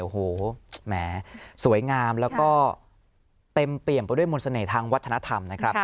โอ้โหแหมสวยงามแล้วก็เต็มเปี่ยมไปด้วยมนต์เสน่ห์ทางวัฒนธรรมนะครับ